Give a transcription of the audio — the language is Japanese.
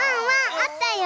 あったよ！